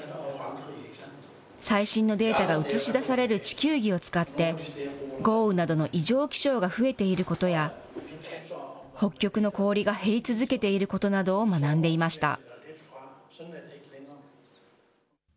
最新のデータが映し出される地球儀を使って、豪雨などの異常気象が増えていることや、北極の氷が減り続けていることなどを学んでいました。